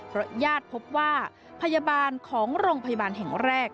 เพราะญาติพบว่าพยาบาลของโรงพยาบาลแห่งแรก